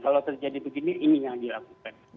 kalau terjadi begini ini yang dilakukan